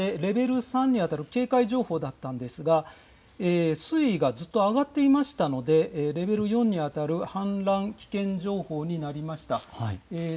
先ほどまでレベル３に当たる警戒情報だったんですが、水位がずっと上がっていましたので、レベル４に当たる氾濫危険情報になりました。